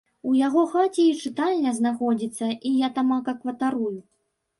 У яго хаце й чытальня знаходзіцца, і я тамака кватарую.